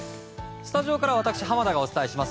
スタジオからは私濱田がお伝えします。